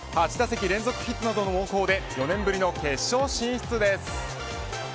８打席連続ヒットの猛攻で４年ぶりの決勝進出です。